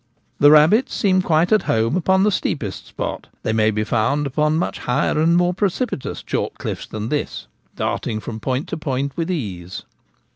The rabbits seem quite at home upon the steepest spot ; they may be found upon much higher and more precipi tous chalk cliffs than this, darting from point to point with ease.